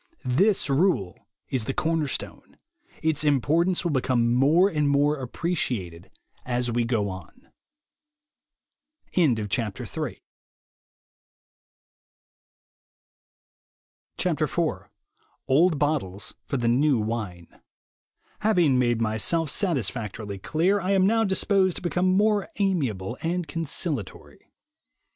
This rule is the corner stone. Its importance will become more and more appreciated as we go on. IV OLD BOTTLES FOR THE NEW WINE HAVING made myself satisfactorily clear, I am now disposed to become more amiable and conciliatory.